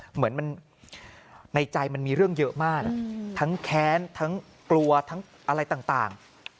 เหมือนมันในใจมันมีเรื่องเยอะมากทั้งแค้นทั้งกลัวทั้งอะไรต่าง